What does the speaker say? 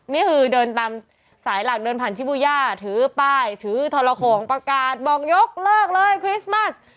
นี่คือเดินตามสายหลักเดินผ่านชิบูย่าถือป้ายถือทรโขงประกาศบอกยกเลิกเลยคริสต์มัส